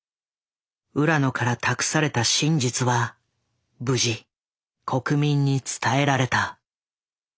浦野から託された真実は無事国民に伝えられた。